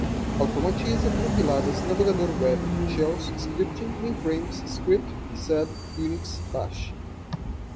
automatiza, compiladas, navegador web, shells, scripting, mainframes, script, sed, unix, bash